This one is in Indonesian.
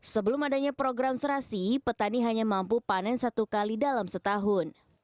sebelum adanya program serasi petani hanya mampu panen satu kali dalam setahun